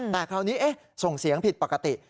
แต่คราวนี้ส่งเสียงผิดปกติ